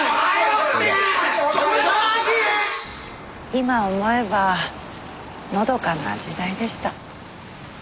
今思えばのどかな時代でした。